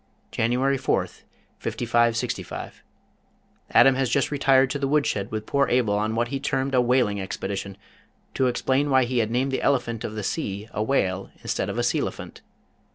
January 4th, 5565. Adam has just retired to the wood shed with poor Abel on what he termed a "whaling expedition," to explain why he had named the elephant of the sea a whale instead of a sealephant.